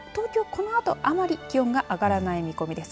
このあと、あまり気温が上がらない見込みです。